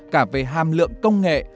cả về hàm lượng công nghệ